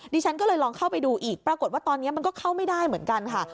ดิฉันก็เลยลองเข้าไปดูอีกปรากฏว่าตอนนี้มันก็เข้าไม่ได้เหมือนกันค่ะ